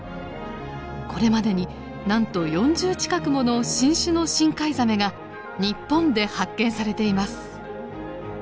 これまでになんと４０近くもの新種の深海ザメが日本で発見されています。